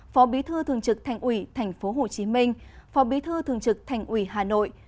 phó bí thư thường trực thành ủy tp hcm phó bí thư thường trực thành ủy hà nội